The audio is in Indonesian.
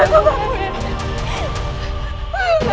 nanda prabu surrawi seja